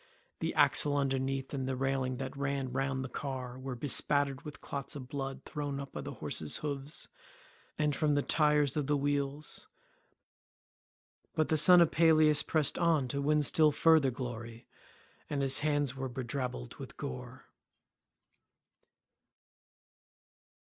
The axle underneath and the railing that ran round the car were bespattered with clots of blood thrown up by the horses' hoofs, and from the tyres of the wheels; but the son of Peleus pressed on to win still further glory, and his hands were bedrabbled with gore.